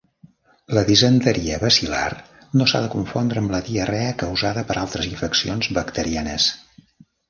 La disenteria bacil·lar no s'ha de confondre amb la diarrea causada per altres infeccions bacterianes.